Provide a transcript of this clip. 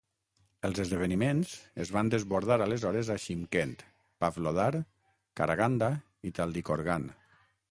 Els esdeveniments es van desbordar aleshores a Shymkent, Pavlodar, Karaganda i Taldykorgan.